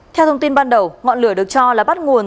theo thông tin ban đầu ngọn lửa được cho là bắt nguồn